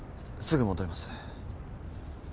すぐ戻ります。